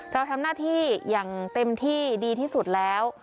เราทำหน้าที่อย่างเต็มที่ดีที่สุดแล้ว